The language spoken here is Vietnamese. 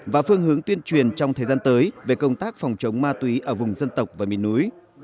và phương hướng tuyên truyền trong thời gian tới về công tác phòng chống ma túy ở vùng dân tộc và miền núi